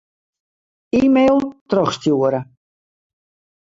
E-mail trochstjoere.